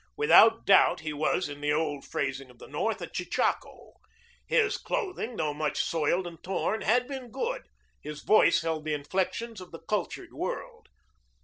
Without doubt he was, in the old phrasing of the North, a chechako. His clothing, though much soiled and torn, had been good. His voice held the inflections of the cultured world.